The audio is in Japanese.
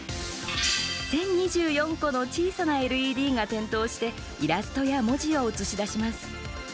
１０２４個の小さなＬＥＤが点灯してイラストや文字を映し出します。